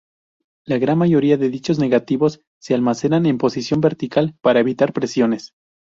La gran mayoría de dichos negativos se almacenan en posición vertical, para evitar presiones.